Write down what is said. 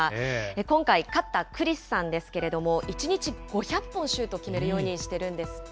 今回、勝ったクリスさんですけれども、１日５００本、シュート決めるようにしてるんですって。